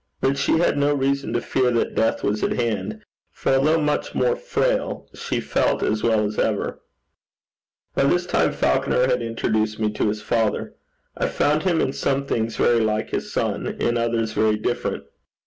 But she had no reason to fear that death was at hand; for, although much more frail, she felt as well as ever. By this time Falconer had introduced me to his father. I found him in some things very like his son; in others, very different.